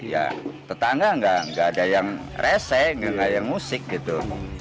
ya tetangga nggak ada yang rese gak ada yang musik gitu